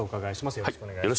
よろしくお願いします。